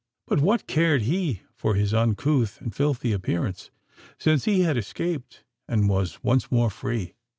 But what cared he for his uncouth and filthy appearance?—since he had escaped, and was once more free?